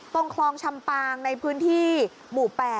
ตรงคลองชำปางในพื้นที่หมู่๘